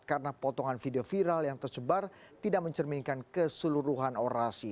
karena potongan video viral yang tersebar tidak mencerminkan keseluruhan orasi